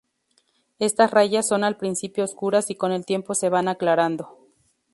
Estas rayas son al principio oscuras y con el tiempo se van aclarando.